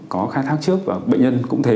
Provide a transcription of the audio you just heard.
có khai thác trước và bệnh nhân cũng thế